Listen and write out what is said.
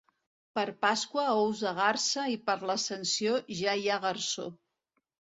Per Pasqua, ous de garsa, i per l'Ascensió ja hi ha garsó.